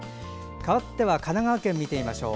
かわっては神奈川県を見てみましょう。